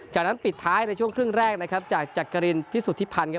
จากนั้นปิดท้ายในช่วงครึ่งแรกนะครับจากจักรินพิสุทธิพันธ์ครับ